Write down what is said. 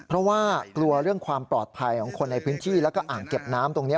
เรื่องความปลอดภัยของคนในพื้นที่แล้วก็อ่างเก็บน้ำตรงนี้